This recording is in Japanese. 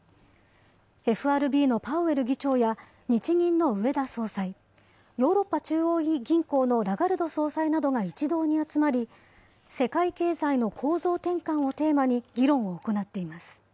ＦＲＢのパウエル議長や、日銀の植田総裁、ヨーロッパ中央銀行のラガルド総裁などが一堂に集まり、世界経済の構造転換をテーマに議論を行っています。